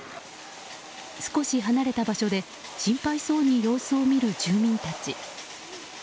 少し離れた場所で心配そうに様子を見る住民たち。